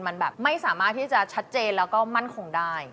มันแบบไม่สามารถที่จะชัดเจนแล้วก็มั่นคงได้